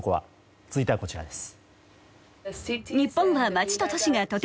続いては、こちらです。